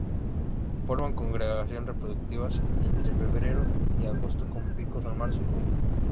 Forman congregaciones reproductivas entre febrero y agosto con picos en marzo y junio.